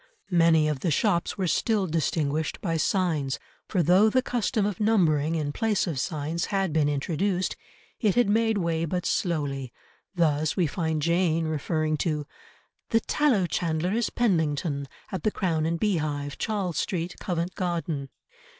Many of the shops were still distinguished by signs, for though the custom of numbering, in place of signs, had been introduced, it had made way but slowly, thus we find Jane referring to "The tallow chandler is Penlington, at the Crown and Beehive, Charles Street, Covent Garden."